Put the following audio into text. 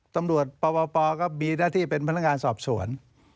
ตำรวจปปก็มีหน้าที่เป็นพนักงานสอบสวน